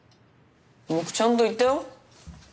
僕ちゃんと言ったよ。